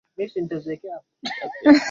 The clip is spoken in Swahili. Nataka kuenda nisomee mtihani wa kesho.